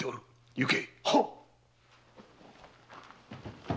行け！